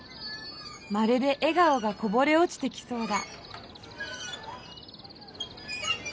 まるでえ顔がこぼれおちてきそうだ。